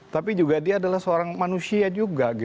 tapi juga dia adalah seorang manusia juga